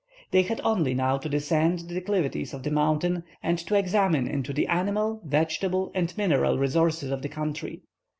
They had only now to descend the declivities of the mountain, and to examine into the animal, vegetable, and mineral resources of the country.